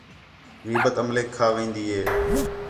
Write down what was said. غیبت عملیک کھا وین٘دی ہے